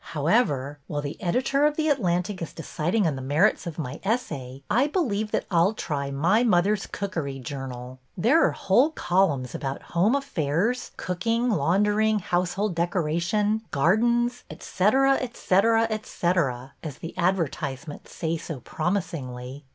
'' However, while the editor of the The Atlantic is deciding on the merits of 26 BETTY BAIRD'S VENTURES my essay, I believe that I 'll try My Mother's Cookery Journal. There are whole columns about home affairs, cooking, laundering, household dec oration, gardens, etcetera, etcetera, etcetera, as the advertisements say so promisingly."